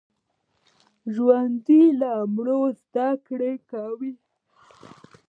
ژوندي له مړو زده کړه کوي